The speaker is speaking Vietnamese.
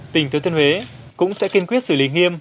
tỉnh thừa thiên huế cũng sẽ kiên quyết xử lý nghiêm